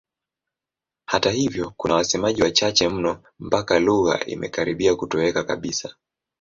Hata hivyo kuna wasemaji wachache mno mpaka lugha imekaribia kutoweka kabisa.